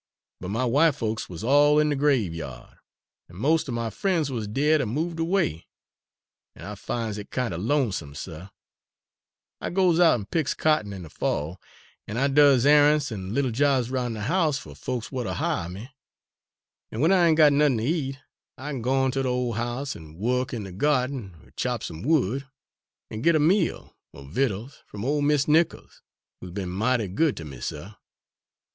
But my w'ite folks wuz all in de graveya'd, an' most er my frien's wuz dead er moved away, an' I fin's it kinder lonesome, suh. I goes out an' picks cotton in de fall, an' I does arrants an' little jobs roun' de house fer folks w'at 'll hire me; an' w'en I ain' got nothin' ter eat I kin gor oun' ter de ole house an' wo'k in de gyahden er chop some wood, an' git a meal er vittles f'om ole Mis' Nichols, who's be'n mighty good ter me, suh.